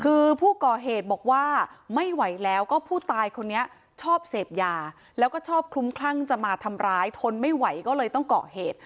คือผู้ก่อเหตุบอกว่าไม่ไหวแล้วก็ผู้ตายคนนี้ชอบเสพยาแล้วก็ชอบคลุ้มคลั่งจะมาทำร้ายทนไม่ไหวก็เลยต้องเกาะเหตุ